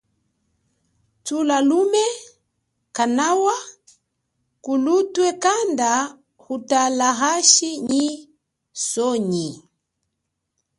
Tala lume kanawa kulutwe kanda utala hashi nyi sonyi.